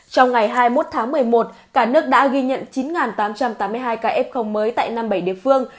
trong ngày hai mươi một tháng một mươi một cả nước đã ghi nhận chín tám trăm tám mươi hai ca f mới tại năm mươi bảy địa phương